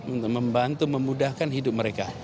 untuk membantu memudahkan hidup mereka